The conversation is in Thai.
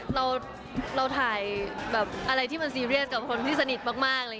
เราถ่ายแบบอะไรที่มันซีเรียสกับคนที่สนิทมาก